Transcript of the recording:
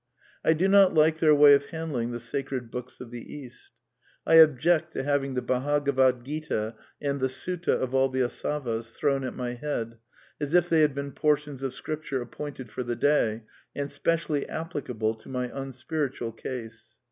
I do not like their way of handling the Sacred Books of the East. I ob ject to having the Bhagavad Gita and the Sutta of all the Asavas thrown at my head, as if they had been portions of Scripture appointed for the day, and specially applicable to my unspiritual case.